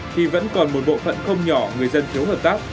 thì vẫn còn một bộ phận không nhỏ người dân thiếu hợp tác